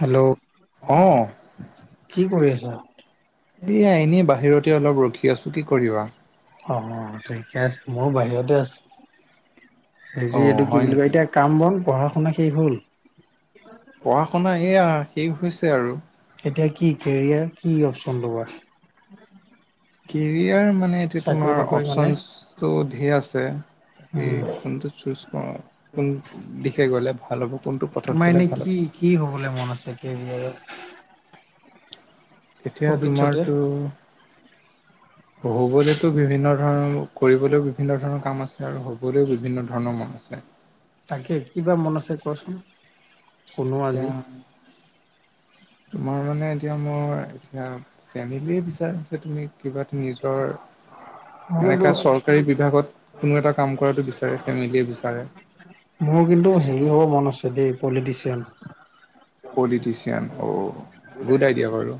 Hello অ' কি কৰি আছা। এয়া এনে বাহিৰতে অলপ ৰখি আছোঁ কি কৰিবা। অ', ঠিকে আছে ময়ো বাহিৰতে আছোঁ হেৰি অ' এইটো কি হয় বুলি নেকি? কয় এতিয়া কাম বন পঢ়া শুনা শেষ হ'ল? পঢ়া শুনা এইয়া শেষ হৈছে আৰু। এতিয়া কি কেৰিয়াৰ কি অপচন ল'বা? কেৰিয়াৰ মানে এতিটো চাকৰি তোমাৰ বাকৰি মানে অপচনচটো ধেৰ আছে। উম তাকেই ফোনটো চুজ কৰো, কোন দিশে গ'লে ভাল হ'ব, কোনটো তোমাৰ পথত গ'লে এনে ভাল কি হ'ব। কি হবলৈ মন আছে কেৰিয়াৰত? তেতিয়া ভৱিষ্যতে তোমাৰতো হুবলৈতো বিভিন্ন ধৰণৰ কৰিবলৈও বিভিন্ন ধৰণৰ কাম আছে আৰু হ'বলৈও বি বিভিন্ন ধৰণৰ মন আছে। তাকে কিবা মন আছে কোৱাচোন। শুনো আজি। এতিয়া তোমাৰ মানে, এতিয়া মোৰ এতিয়া ফেমিলি বিচাৰছে তুমি কিবা এ নিজৰ মোৰ কিন্তু এনেকা চৰকাৰী বিভাগত কোনো এটা কাম কৰাটো বিচাৰে, ফেমিলিয়ে বিচাৰে। মোৰ কিন্তু হেৰি হ'ব মন আছে দেই পলিটিচিয়ান। পলিটিচিয়ান অ, গুড আইডিয়া বাৰু।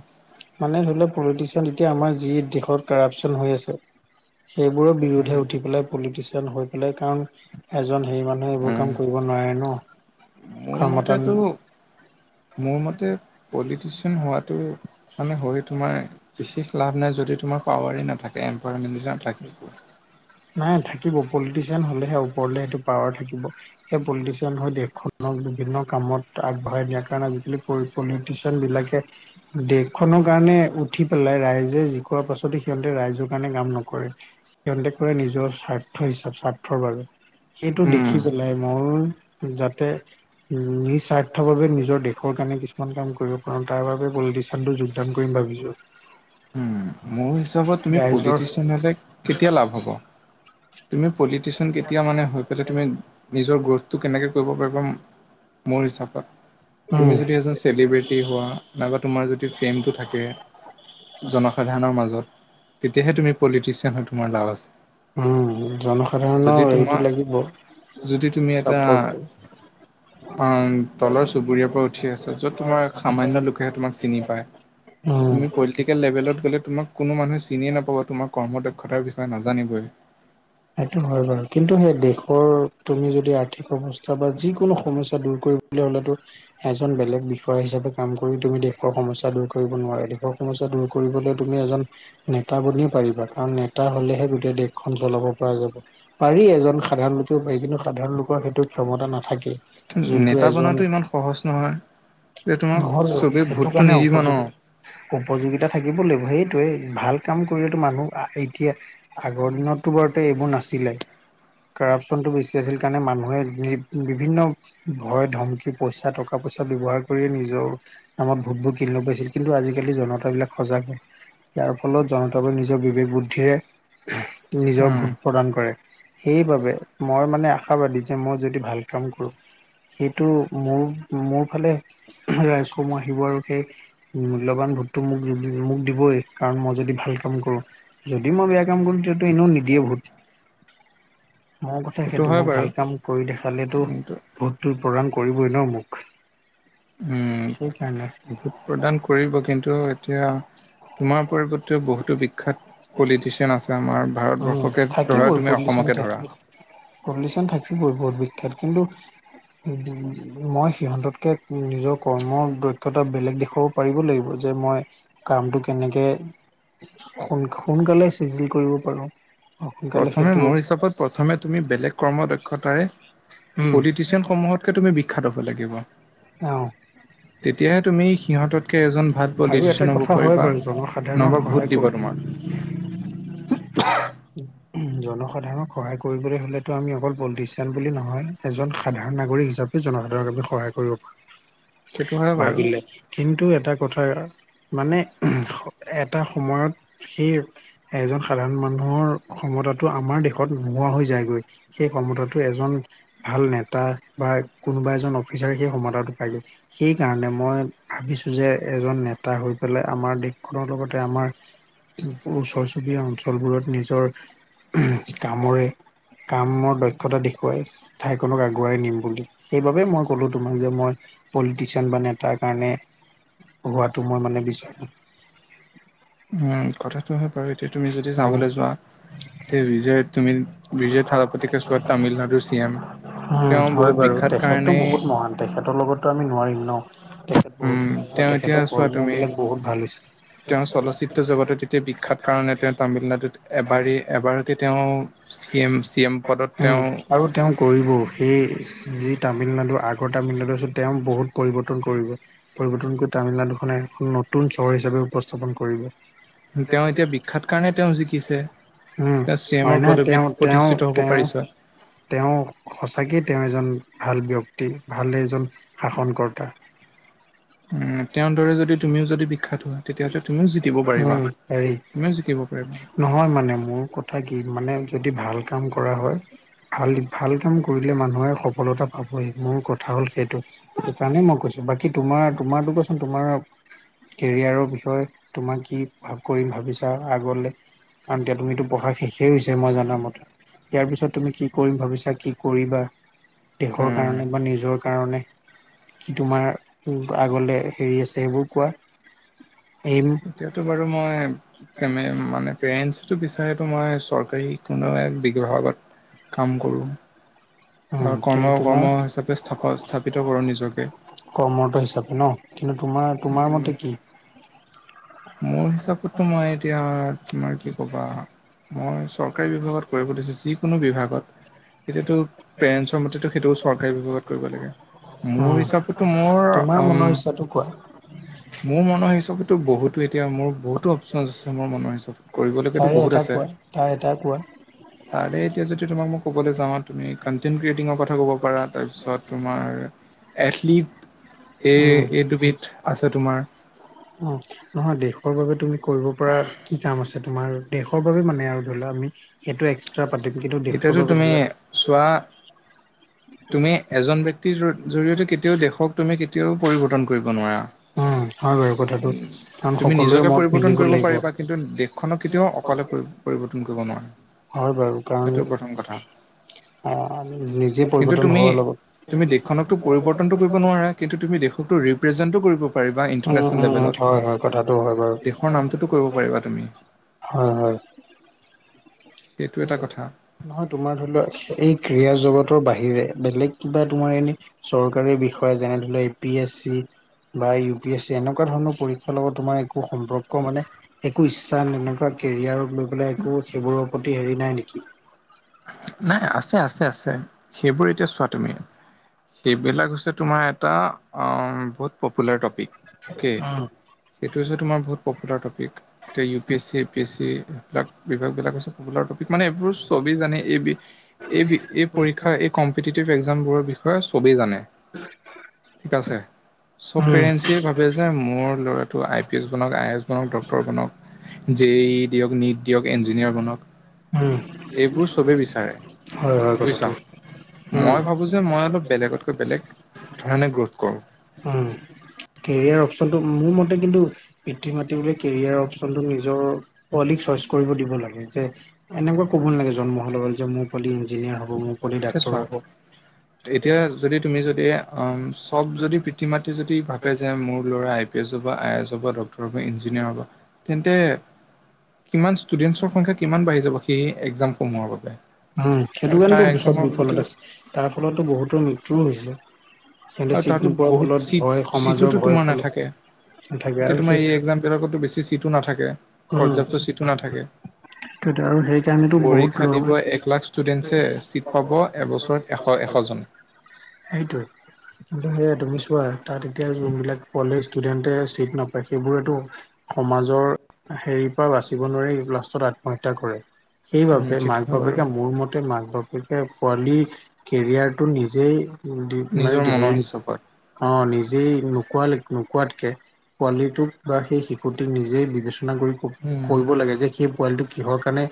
মানে ধৰি ল' পলিটিচিয়ান এতিয়া আমাৰ যি দেশত কাৰাপচন হৈ আছে সেইবোৰৰ বিৰুদ্ধে উঠি পেলাই পলিটিচিয়ান হৈ পেলাই কাৰণ এজন হেৰি মানুহ এইবোৰ উম। কাম কৰিব নোৱাৰে ন' মোৰ ক্ষমতা মতেতো মোৰ মতে পলিটিচিয়ান হোৱাটো মানে হৈ তোমাৰ বিশেষ লাভ নাই যদি তোমাৰ পাৱাৰ নাথাকে এম্প্লয়মেণ্টে নাথাকে। নাই থাকিব পলিটিচিয়ান হ'লেহে ওপৰলে সেইটো পাৱাৰ থাকিব। সেই পলিটিচিয়ান হৈ দেশখনক বিভিন্ন কামত আগবঢ়াই দিয়াৰ কাৰণে আজিকালি পলিটিচিয়ান বিলাকে দেশখনৰ কাৰণে উঠি পেলাই ৰাইজে জিকোৱাৰ পাছত সিহঁতে ৰাইজৰ কাৰণে কাম নকৰে সিহঁতে নিজৰ স্বাৰ্থ হিচাপ স্বাৰ্থৰ বাবে সেইটো উম, দেখি পেলাই মোৰ যাতে উম, নিজ স্বাৰ্থৰ বাবে নিজৰ দেশ কাৰণে কিছুমান কাম কৰিব পাৰোঁ তাৰ বাবে পলিটিচিয়ানটো যোগদান কৰিম ভাবিছোঁ। উম, মোৰ হিচাপত তুমি ৰাইজৰ পলিটিচিয়ান হলে কেতিয়া লাভ হ'ব? তুমি পলিটিচিয়ান কেতিয়া মানে হৈ পেলাই তুমি নিজৰ গ্ৰোথ তো কেনেকৈ কৰিব পাৰিবা, মোৰ হিচাপত উম তুমি যদি এজন চেলিব্ৰেটি হোৱা নাইবা তোমাৰ যদি ফেমটো থাকে। জনসাধাৰণৰ মাজত, তেতিয়াহে তুমি পলিটিচিয়ান হয় তোমাৰ লাভ আছে। উম, যদি জনসাধাৰণৰ সেৰিটো তোমাক লাগিব যদি চাপৰ্টটো। অ', তলৰ চুবুৰীয়াৰ পৰা উঠি আছে য'ত তোমাৰ সামান্য লোকেহে তোমাক চিনি পায়। তুমি অ', পলিটিকেল লেভেলত গ'লে তোমাক কোনো মানুহে চিনিয়ে নাপাব তোমাৰ কৰ্মদক্ষতাৰ বিষয়ে নাজানিবই। সেইটো হয় বাৰু, কিন্তু সেই দেশৰ তুমি যদি আৰ্থিক অৱস্থা বা যিকোনো সমস্যা দূৰ কৰিব হলেতো এজন বেলেগ বিষয়া হিচাপে কাম কৰি তুমি দেশৰ সমস্যা দূৰ কৰিব নোৱাৰা দেশৰ সমস্যা দূৰ কৰিবলৈ তুমি এজন নেতা বিয়ও পাৰিবা কাৰণ নেতা হলেহে গোটেই দেশখন জ্বলাব পৰা যাব পাৰি এজন সাধাৰণ লোকেও পাৰি সাধাৰণ লোক সেইটো ক্ষমতা নাথাকে যোনটো নেতা এজন বনাটো ইমান সহজ নহয় যে তোমাক নহল চবেই সেইটো ভোটটো কাৰণে নিদিব ন উপযোগী। উপযোগিতা থাকিব লাগিব সেইটোৱে ভাল কাম কৰিলেতো মানুহ আহ এতিয়া আগৰ দিনততো বাৰুতে এইবোৰ নাছিলে কাৰাপচনটো বেছি আছিল কাৰণে মানুহে বিভিন্ন ভয় ধমকি পইচা টকা পইচা ব্যৱহাৰ কৰিয়ে নিজৰ আমাৰ ভোটবোৰ কিনিব পাইছিল কিন্তু আজিকালি জনতাবিলাক সজাগ হয় ইয়াৰ ফলত জনতাবোৰ নিজৰ বিবেক বুদ্ধিৰে নিজৰ উম ভোট প্ৰদান কৰে সেইবাবে মই মানে আশাবাদী যে মই যদি ভাল কাম কৰোঁ সেইটো মোৰ মোৰ ফালে ৰাইজকৰ্ম আহিব আৰু সেই মূল্যৱান ভোটটো মোক মোক দিবই কাৰণ মই যদি ভাল কাম কৰোঁ যদি মই বেয়া কাম কৰোঁ তেতিয়া এনেও নিদে ভূত মোৰ কথা সেইটো হয় মই বাৰু ভাল কাম কৰি দেখালেটো কিন্তু ভোটটো প্ৰদান কৰিবই ন মোক উম সেইকাৰণে ভোট প্ৰদান কৰিব কিন্তু এতিয়া তোমাৰ পৰিৱৰ্তেও বহুতো বিখ্যাত পলিটিচিয়ান আছে আমাৰ ভাৰতবৰ্ষকে ধৰা তুমি অসমকে ধৰা কন্দিচন থাকিবই বহুত বিখ্যাত কিন্তু মই সিহঁততকে নিজৰ কৰ্মৰ দ্যক্ষতা বেলেগ লিখোৱাব পাৰিব লাগিব যে মই কামটো কেনেকে সোনকালে চিজিল কৰিব পাৰোঁ প্ৰথমে মোৰ হিচাপত প্ৰথমে তুমি বেলেগ কৰ্ম দক্ষতাৰে উম পলিটিচিয়ানসমূহতকে তুমি বিখ্যাত হ'ব লাগিব অ তেতিয়াহে তুমি সিহঁততকে এজন ভাল আৰু এটা পডিডিশ্যন হ'ব কথা হয় পাৰিবা বাৰু জনসাধাৰণক নহবা ভোট সহায় দিব কৰোঁ উ তোমাক জনসাধাৰণক সহায় কৰিবলৈ হলেতো আমি অকল পলিটিচিয়ান বুলি নহয় এজন সাধাৰণ নাগৰিক হিচাপে সেই জনসাধাৰণক আমি সহায় কৰিব পাৰোঁ সেইটো হয় বাৰু ভাবিলে কিন্তু এটা কথা মানে এটা সময়ত সেই এজন সাধাৰণ মানুহৰ ক্ষমতাটো আমাৰ দেশত নোহোৱা হৈ যায়গৈ সেই ক্ষমতাটো এজন ভাল নেতা বা কোনোবা এজন অফিচাৰে সেই ক্ষমতাটো পাইগৈ সেইকাৰণে মই ভাবিছোঁ যে এজন নেতা হৈ পেলাই আমাৰ দেশখনৰ লগতে আমাৰ ওচৰ চুবুৰীয়া অঞ্চলবোৰত নিজৰ কামৰে কামৰ দক্ষতা দেখুৱাই ঠাইকনক আগুৱাই নিম বুলি সেইবাবে মই কলো তোমাক যে মই পলিটিচিয়ান বা নেতাৰ কাৰণে হোৱাটো মই মানে বিচাৰোঁ উম কথাটো হয় বাৰু এতিয়া তুমি যদি উম যাবলৈ যোৱা তে বিজয় তুমি বিজয় থাৰাপতিকেছোৱা তামিলনাডুৰ চি এম উম তেওঁ হয় বহুত বাৰু বিখ্যাত তেখেতটো কাৰণেই বহুত মহান তেখেতৰ লগতো আমি নোৱাৰিম ন উম বহুত তেওঁ এতিয়া তেখেতৰ চোৱা তুমি কৰ্মবিলাক বহুত ভাল তেওঁ চলচ্চিত্ৰ হৈছে জগতত তেতিয়া বিখ্যাত কাৰণে তেওঁ তামিলনাডুত এবাৰেই এবাৰতে তেওঁ চি এম চি এম পদত তেওঁ কৰিবও সেই যি তামিলনাডু আগত তামিলনাডু আছে তেওঁ বহুত পৰিৱৰ্তন কৰিব পৰিৱৰ্তন কৰি তামিলনাডুখনে এখন নতুন চহৰ হিচাপে উপস্থাপন কৰিব তেওঁ এতিয়া বিখ্যাত কাৰণে তেওঁ জিকিছে উম তেওঁ চি হয় এমৰ ন তেওঁ পদবীত তেওঁ প্ৰতিষ্ঠিত হব তেওঁ পাৰিছ তেওঁ সঁচাকেই তেওঁ এজন ভাল ব্যক্তি ভাল এজন শাসনকৰ্তা তেওঁৰ দৰে যদি তুমিও যদি বিখ্যাত হোৱা তেতিয়াহ'লে তুমিও জকিব পাৰিবা উম পাৰি তুমিও জিকিব পাৰিবা নহয় মানে মোৰ কথা কি মানে যদি ভাল কাম কৰা হয় ভাল ভাল কাম কৰিলে মানুহে সফলতা পাবই মোৰ কথা হ'ল সেইটো। সেইকাৰণে মই কৈছোঁ বাকী তোমাৰ তোমাটো কোৱাচোন তোমাৰ কেৰিয়াৰৰ বিষয়ে তোমাক কি ভাল কৰিম ভাবিছোঁ। বা আগলৈ কাৰণ এতিয়া তুমিতো পঢ়া শেষেই হৈছে মই জানা মতে। ইয়াৰ পিছত তুমি কি কৰিম ভাবিছা, কি কৰিবা। দেশৰ উম, কাৰণে বা নিজৰ কাৰণে কি তোমাৰ আগলৈ হেৰি আছে, এইবোৰ কোৱা, এইম এতিয়াতো বাৰু মই এমে মানে পেৰেন্টো বিচাৰেটো মই চৰকাৰী কোনো বিহুৰ আগত। কাম কৰো বা উম, কিন্তু কৰ্ম তোমাৰ কৰ্ম হিচাপে স্থাপ স্থাপিত কৰোঁ নিজকে। কৰ্মৰত হিচাপে ন কিন্তু তোমাৰ তোমাৰ উম। মতে কি? মোৰ হিচাপততো মই এতিয়া তোমাৰ কি ক'বা মই চৰকাৰী বিভাগত। কৰিব দিছে, যিকোনো বিভাগত। এতিয়াতো পেৰেন্টছৰ মতেতো সেইটোও চৰকাৰী বিভাগত কৰিব লাগে, মোৰ উম, হিচাপত টোৰ মোৰ তোমাৰ উম। মনৰ ইচ্ছাটো কোৱা। মোৰ মনৰ হিচাপততো বহুতো এতিয়া, মোৰ বহুতো অপশচন আছে, মোৰ মনৰ হিচাপত কৰিবলগেতো এটা বহুত আছে। কোৱা, তাৰে এটা কোৱা। তাৰে, এতিয়া যদি তোমাক মই ক'বলৈ যাওঁ, তুমি কনটেনট ক্ৰিয়েটিঙৰ কথা ক'ব পাৰা। তাৰপিছত তোমাৰ এছ এথলিট এই এই দুবিধ অ' নহয় দেশৰ বাবে তুমি কৰিব পৰা কি কাম আছে। তোমাৰ দেশৰ বাবে মানে আৰু ধৰি লোৱা আমি সেইটো এক্সট্ৰা পাতিম। কিন্তু দেশৰ এতিয়াতো বাবে ধৰি তুমি লোৱা চোৱা। তুমি এজন ব্যক্তিৰ জৰিয়তে কেতিয়াও দেশক তুমি কেতিয়াও পৰিৱৰ্তন কৰিব নোৱাৰা। অ' হয় বাৰু কথাটো। কাৰণ তুমি সকলোৰে নিজকে মত পৰিৱৰ্তন মিলিব কৰিব লাগিব পাৰিবা। কিন্তু দেশখনক কেতিয়াও অকলে পৰি পৰিৱৰ্তন কৰিব নোৱাৰা। হয় বাৰু, কাৰণ সেইটো প্ৰথম কথা নিজে পৰিৱৰ্তন হ'ব লাগিব। খনকটো পৰিৱৰ্তনটো কৰিব নোৱাৰা। কিন্তু তুমি দেশকো ৰিপ্ৰেজেণ্টটো কৰিব পাৰা। পাৰিবা উম, ইন্টাৰনেছনেলৰ উম, হয়, হয় কথাটো হয় বাৰু লেবেলত দেশৰ নামটো ত কৰিব পাৰিবা তুমি। হয়, হয়। সেইটো এটা কথা। নহয় তোমাৰ ধৰি লোৱা এই ক্ৰীড়া জগতৰ বাহিৰে বেলেগ কিবা তোমাৰ এনে চৰকাৰী বিষয়ে যেনে ধৰি লোৱা এ পি এ চি বা ইউ পি এছ চি এনেকুৱা ধৰণৰ পৰীক্ষাৰ লগত তোমাৰ একো সম্পৰ্ক মানে একো ইচ্ছা এনেকুৱা কেৰিয়াৰক লৈ পেলাই একো সেইবোৰৰ প্ৰতি হেৰি নাই নেকি। নাই আছে, আছে, আছে। সেইবোৰ এতিয়া চোৱা তুমি সেইবিলাক হৈছে তোমাৰ এটা বহুত পপুলাৰ টপিক। এই উম সেইটো হৈছে, তোমাৰ বহুত পপুলাৰ টপিক এতিয়া U P S C, A P S C এইবিলাক বিভাগ বিলাক হৈছে পপুলাৰ টপিক মানে এইবোৰ চবেই জানে এই এই এই পৰীক্ষা এই কম্পিটিভ এক্সাম বোৰৰ বিষয়ে চবেই জানে। ঠিক আছে, চ'ব উম পেৰেণ্টেচে ভাবে যে মোৰ ল'ৰা ত' আই পি এছ বনাওঁক। আই এ এছ বনাওঁক, ডক্তৰ বনাওঁক, জে ই দিয়ক, নিট দিয়ক, ইঞ্জিনিয়াৰ বনাওঁক। উম, হয়, হয়, বুজিছা। কথাটো। উম মই ভাবোঁ যে মই অলপ বেলেগতকৈ বেলেগ ধৰণে গ্ৰোথ কৰোঁ। উম। কেৰিয়াৰ অপচনটো মোৰ মতে কিন্তু পিতৃ মাতৃ বুলি কেৰিয়াৰ অপচনটো নিজৰ পোৱালিক চইচ কৰিব দিব লাগে যে এনেকুৱা ক'ব নালাগে, জন্ম হোৱাৰ লগত যে মোৰ পোৱালি ইঞ্জিনিয়াৰ হ'ব মোক। এতিয়া চোৱা ডাক্তৰব এতিয়া যদি তুমি যদি চব যদি পিতৃ মাতৃ যদি ভাবে যে মোৰ ল'ৰা আই পি এছ হ'ব- আই আই এছ হ'ব- ডক্টৰ হ'ব ইঞ্জিনিয়াৰ হ'ব তেন্তে কিমান ষ্টুডেন্টছৰ সংখ্যা কিমান বাঢ়ি যাব সেই এক্জামসমূহৰ বাবে উম সেইটো আৰু তাৰ কাৰণেতো চব এক্সামৰ বাবেতো বিফলত আছে তাৰ ফলতো বহুতো মৃত্যয়ুও হৈছে সিহঁতে আৰু চিট তাহাতো নোপোৱাৰ ফলত বহুত ভয় চিট সমাজৰ চিটোতো ভয় তোমাৰ ফলত নাথাকে নাথাকে এতিয়া আৰু সেই তোমাৰ এই এক্সামবিলাকতো বেছি চিটো নাথাকে উম, পৰ্যাপ্ত ছিটটো নাথাকে সেইটোৱেতো আৰু সেইকাৰণেতো বহুত পৰীক্ষা দিব ল'ৰা এ এক লাখ ষ্টুডেণ্টছে ছিট পাব এবছৰত এশ এশজন সেইটোৱে কিন্তু সেয়া তুমি চোৱা তাত এতিয়া যোনবিলাক কলেজ ষ্টুডেণ্টে চিট নাপায় সেইবোৰেতো সমাজৰ হেৰিৰ পৰা বাচিব নোৱাৰি এই লাষ্টত আত্মহত্যা কৰে উম, সেইবাবে সেইটো মাক হয় বাৰু বাপেকে মোৰ মতে মাক বাপেকে পোৱালীৰ কেৰিয়াৰটো নিজেই দি নাই নিজৰ মনৰ দিহেইজ হিচাপত অ নিজেই নোকোৱাল নোকোৱাতকে পোৱালিটোক বা সেই শিশুটিক নিজেই বিবেচনা উম কৰিব লাগে যে সেই পোৱালিটো কিহৰ কাৰণে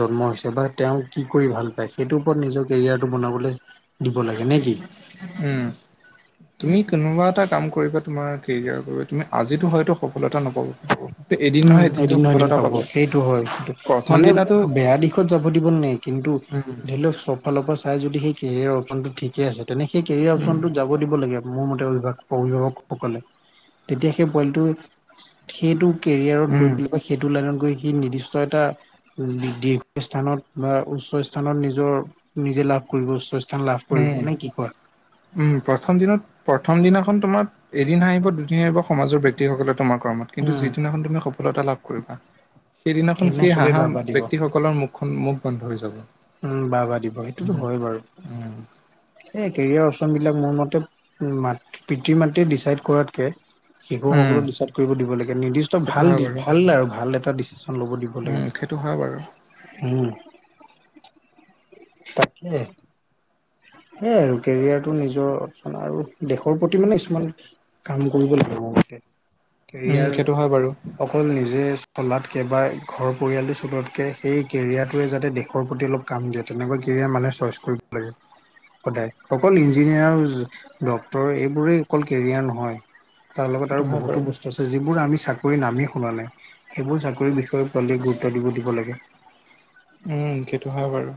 জন্ম হৈছে বা তেওঁ কি কৰি ভাল পায় সেইটোৰ ওপৰত নিজৰ কেৰিয়াৰটো বনাবলৈ দিব লাগে নে কি উম তুমি কোনোবা এটা কাম কৰিব তোমাৰ কেৰিয়াৰ বাবে তুমি আজিতো হয়তো সফলতা নাপাব এদিন উম, নহয় এদিনতো এদিন এদিন সফলতা পাব পাবই সেইটো হয় কি মানে বেয়া দিশত যাব দিব নাই কিন্তু উম ধৰি লওক চব ফালৰ পৰা চাই যদি সেই কেৰিয়াৰৰ অপচনটো ঠিকেই আছে তেনে সেই কেৰিয়াৰ উম অপচনটো যাব দিব লাগে মোৰ মতে অভিভাৱক অভিভাৱকসকলে তেতিয়া সেই পোৱলীটো সেইটো কেৰিয়াৰত উম গৈ পেলাই সেইটো লাইনত গৈ সি নিৰ্দিষ্ট এটা দীৰ্ঘ স্থানত বা উচ্চ স্থানত নিজৰ নিজে লাভ কৰিব উচ্চ স স্থান লাভ কৰিব উম নে কি কয় উম প্ৰথম দিনত প্ৰথম দিনাখন তোমাৰ এদিন হাঁহিব দুদিন সেয়াই আহিব সমাজৰ ব্যক্তিসকলে তোমাৰ কৰ্মত কিন্তু উম যিদিনাখন তুমি সফলতা লাভ কৰিবা সেইদিনাখন সেইদিনা সেই চবেই হাঁহা বাহ বাহ দিব ব্যক্তিসকলৰ মুখখন মুখ বন্ধ হৈ যাব উম বাহ বাহ দিব সেইটোতো উম হয় বাৰু উম এই কেৰিয়াৰ অপচন বিলাক মোৰ মতে মাত পিতৃ মাতৃয়ে ডিচাইড কৰাতকে উম শিশুসকলক ডিচাইড কৰিব দিব লাগে নিৰ্দিষ্ট সেইটো ভাল হয় দি বাৰু ভাল আৰু ভাল এটা দি লব দিব লাগে উম সেইটো হয় বাৰু উম তাকে সেইয়াই আৰু কেৰিয়াৰটো নিজৰ মানে আৰু দেশৰ প্ৰতি মানে কিছুমান কাম কৰিব লাগে মোৰ মতে উম সেইটো হয় বাৰু কেৰিয়াৰ অকল নিজে চলাত কেবা ঘৰৰ পৰিয়ালটো চলোৱাতকে সেই কেৰিয়াৰটোৱে যাতে দেশৰ প্ৰতি অলপ কাম দিয়ে তেনেকুৱা কেৰিয়াৰ মানুহে চইচ কৰে কৰিব লাগে সদায় অকল ইঞ্জিনিয়াৰ ড্ক্তৰ এইবোৰেই অকল কেৰিয়াৰ নহয় তাৰ লগত সেইটো আৰু হয় বাৰু বহুতো বস্তু আছে যিবোৰ আমি চাকৰি নামেই শুনা নাই সেইবোৰ চাকৰি বিষয়ে অধিক গুৰুত্ব দিব দিব লাগে উম সেইটো হয় বাৰু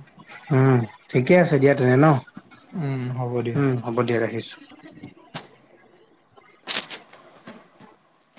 উম ঠিকে আছে দিয়া তেনে ন উম হ'ব দিয় উম হ'ব দিয়া ৰাখিছো